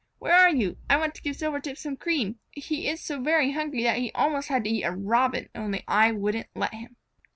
Where are you? I want to give Silvertip some cream. He is so very hungry that he most had to eat up a Robin, only I wouldn't let him."